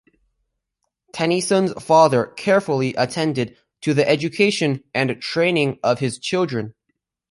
Tennyson's father "carefully attended to the education and training of his children".